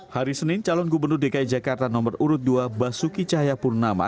hari senin calon gubernur dki jakarta nomor urut dua basuki cahayapurnama